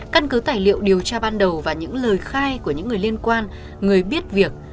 căn cứ tài liệu điều tra ban đầu và những lời khai của những người liên quan người biết việc